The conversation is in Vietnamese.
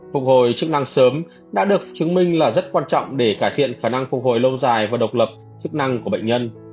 phục hồi chức năng sớm đã được chứng minh là rất quan trọng để cải thiện khả năng phục hồi lâu dài và độc lập chức năng của bệnh nhân